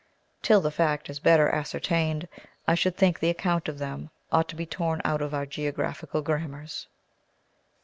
Till the fact is better ascertained, I should think the account of them ought to be torn out of our geographical grammars.